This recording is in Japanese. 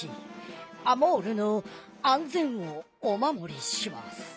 あモールのあんぜんをおまもりします。